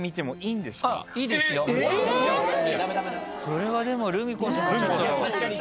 それはでもルミ子さん。